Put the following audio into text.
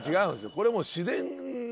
これもう自然の。